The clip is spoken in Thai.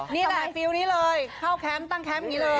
นี่แหละฟิลนี่เลยเข้าแคมป์ตั้งแคมป์นี่เลย